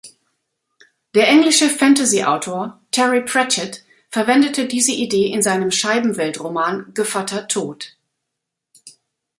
Der englische Fantasy-Autor Terry Pratchett verwendete diese Idee in seinem Scheibenwelt-Roman Gevatter Tod.